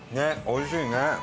おいしいね。